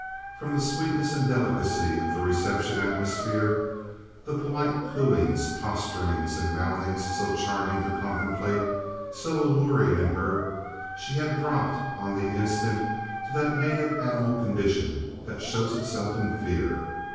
From the sweetness and delicacy of the reception atmosphere—the polite cooings, posturings, and mouthings so charming to contemplate, so alluring in her—she had dropped on the instant to that native animal condition that shows itself in fear.